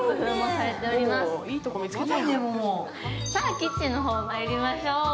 キッチンの方まいりましょう。